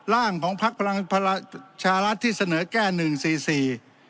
ร่างของภักดิ์พลังชาวรัฐที่เสนอแก้๑สี่